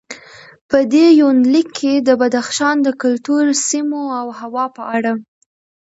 په دې یونلیک کې د بدخشان د کلتور، سیمو او هوا په اړه